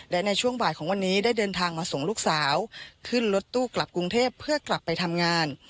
และในช่วงบ่ายของวันนี้ได้เดินทางมาส่งลูกสาวขึ้นรถตู้กลับกรุงเทพเพื่อกลับไปทำงาน